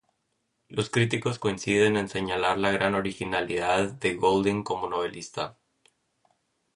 Los críticos coinciden en señalar la gran originalidad de Golding como novelista.